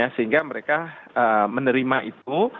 sehingga mereka menerima itu